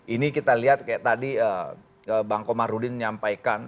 ini kita lihat kayak tadi bang komarudin menyampaikan